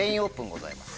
ございます。